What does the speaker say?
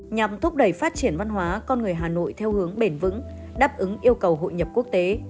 nhằm thúc đẩy phát triển văn hóa con người hà nội theo hướng bền vững đáp ứng yêu cầu hội nhập quốc tế